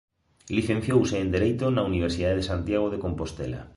Licenciouse en Dereito na Universidade de Santiago de Compostela.